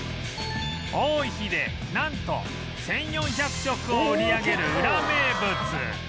多い日でなんと１４００食を売り上げるウラ名物